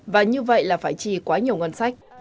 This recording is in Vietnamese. và như vậy là phải chi quá nhiều ngân sách